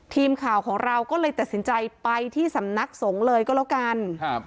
ทีมข่าวของเราก็เลยตัดสินใจไปที่สำนักสงฆ์เลยก็แล้วกันครับ